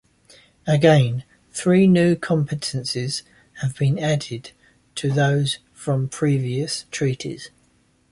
Again, three new competences have been added to those from previous treaties.